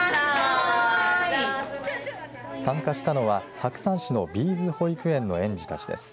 参加したのは白山市のＢ’ｓ保育園の園児たちです。